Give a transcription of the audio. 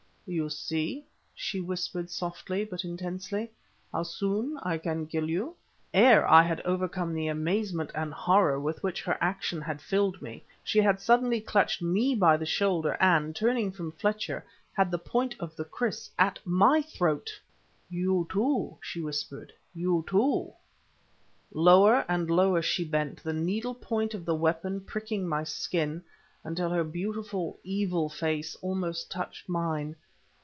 "You see," she whispered softly but intensely, "how soon I can kill you." Ere I had overcome the amazement and horror with which her action had filled me, she had suddenly clutched me by the shoulder, and, turning from Fletcher, had the point of the krîs at my throat! "You, too!" she whispered, "you too!" Lower and lower she bent, the needle point of the weapon pricking my skin, until her beautiful, evil face almost touched mine.